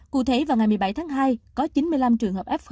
cụ thể vào ngày một mươi bảy tháng hai có chín mươi năm trường hợp f hai